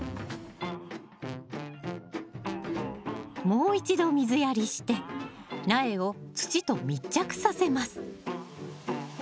もう一度水やりして苗を土と密着させます